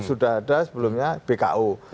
sudah ada sebelumnya bko